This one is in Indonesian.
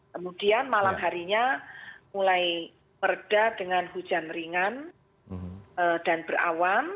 kemudian malam harinya mulai meredah dengan hujan ringan dan berawan